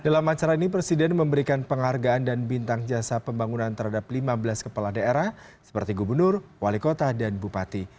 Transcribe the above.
dalam acara ini presiden memberikan penghargaan dan bintang jasa pembangunan terhadap lima belas kepala daerah seperti gubernur wali kota dan bupati